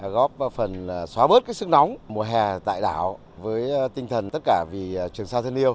góp phần xóa bớt sức nóng mùa hè tại đảo với tinh thần tất cả vì trường sa thân yêu